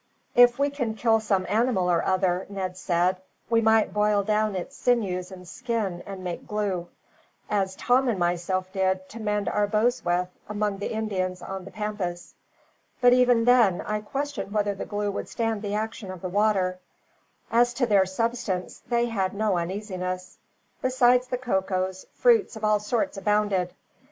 "If we can kill some animal or other," Ned said, "we might boil down its sinews and skin and make glue; as Tom and myself did, to mend our bows with, among the Indians on the pampas. But even then, I question whether the glue would stand the action of the water." As to their subsistence they had no uneasiness. Besides the cocoas, fruit of all sorts abounded.